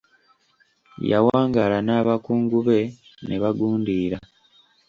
Yawangaala n'abakungu be ne bagundiira.